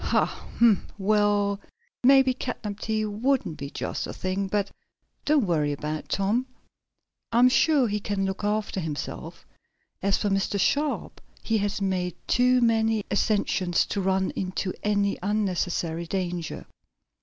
"Ha! Hum! Well, maybe catnip tea wouldn't be just the thing. But don't worry about Tom. I'm sure he can look after himself. As for Mr. Sharp he has made too many ascensions to run into any unnecessary danger."